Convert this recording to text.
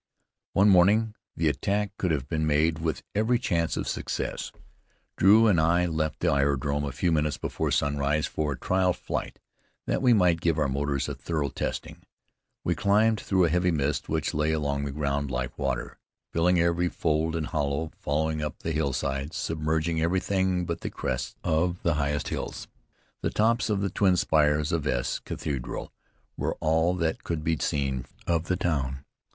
One morning, the attack could have been made with every chance of success. Drew and I left the aerodrome a few minutes before sunrise for a trial flight, that we might give our motors a thorough testing. We climbed through a heavy mist which lay along the ground like water, filling every fold and hollow, flowing up the hillsides, submerging everything but the crests of the highest hills. The tops of the twin spires of S cathedral were all that could be seen of the town.